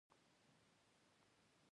په افغانستان کې د طالبانو ماته هم ده.